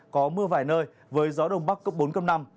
có mưa vài nơi với gió đông bắc cấp bốn cấp năm